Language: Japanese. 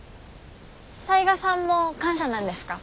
雑賀さんも官舎なんですか？